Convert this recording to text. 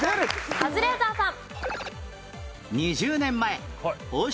カズレーザーさん。